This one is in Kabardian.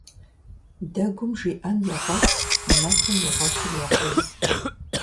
Дэгум жиӀэн егъуэт, нэфым игъуэтыр екъуз.